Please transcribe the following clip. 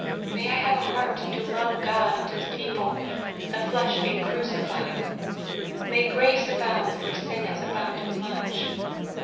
May I have a heart to love God and his people, the flesh being crucified ! May grace abound, where sin has abounded much